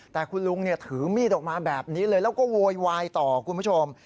แต่คุณลุงถือมีดออกมาแบบนี้เลยแล้วก็โวยวายต่อคุณผู้ชม